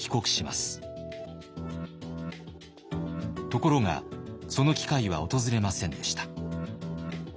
ところがその機会は訪れませんでした。